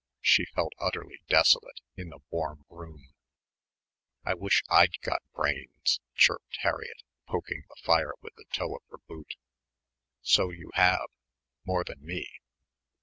She felt utterly desolate in the warm room. "I wish I'd got brains," chirped Harriett, poking the fire with the toe of her boot. "So you have more than me."